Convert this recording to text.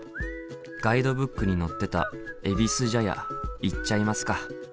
ガイドブックに載ってたえびす茶屋行っちゃいますか。